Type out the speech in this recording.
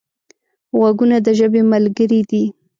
غوږونه د ژبې ملګري دي